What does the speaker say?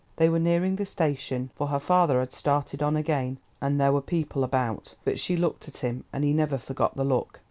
They were nearing the station, for her father had started on again, and there were people about. But she looked at him, and he never forgot the look.